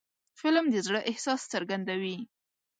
فلم د زړه احساس څرګندوي